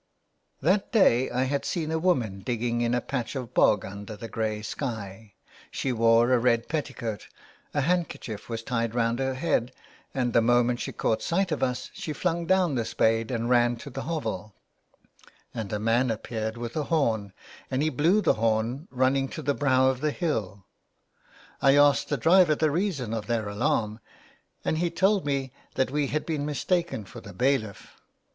That day I had seen a woman digging in a patch of bog under the grey sky. She wore a red petticoat, a handkerchief was tied round her head, and the moment she caught sight of us she flung down the spade and ran to the hovel, and a man appeared with a horn, and he blew the horn, running to the brow of the hill. I asked the driver the reason of their alarm, and he told me that we had been mistaken for the bailiff.